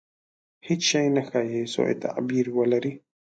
• هېڅ شی نه ښایي، سوء تعبیر ولري.